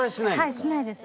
はいしないです。